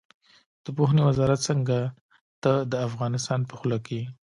د پوهنې وزارت څنګ ته د ده افغانان په خوله کې.